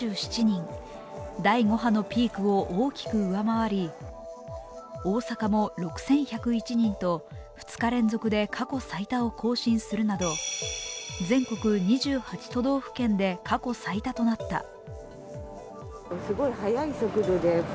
第５波のピークを大きく上回り大阪も６１０１人と、２日連続で過去最多を更新するなど全国２８都道府県で過去最多となった。